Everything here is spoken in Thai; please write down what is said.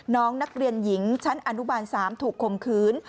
น้องนักเรียนหญิงชั้นอนุบาล๓ถูกคมขืน